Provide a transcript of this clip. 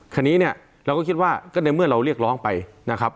วันนี้เราก็คิดว่าก็ยังเมื่อเราเรียกร้องไปนะครับ